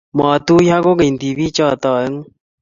matuiyo kogeny tibiik choto aengu